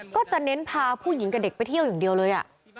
ก็จะเน้นพาผู้หญิงกับเด็กไปเที่ยวอย่างเดียวเลย